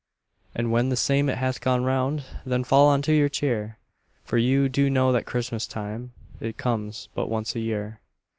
And when the same it hath gone round Then fall unto your cheer, For you do know that Christmas time It comes but once a year.